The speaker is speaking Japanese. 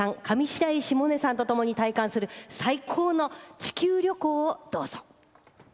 上白石萌音さんと一緒に体感する最高の地球旅行を、どうぞ。